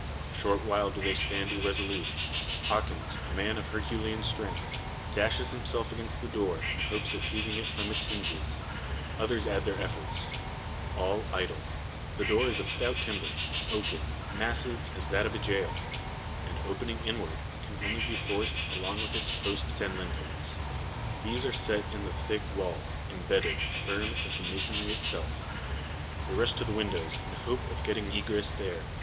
Short while do they stand irresolute. Hawkins, a man of herculean strength, dashes himself against the door, in hopes of heaving it from its hinges. Others add their efforts. All idle. The door is of stout timber oaken massive as that of a jail; and, opening inward, can only be forced along with its posts and lintels. These are set in the thick wall, embedded, firm as the masonry itself. They rush to the windows, in hope of getting egress there.